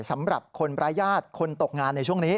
สำหรับคนร้ายญาติคนตกงานในช่วงนี้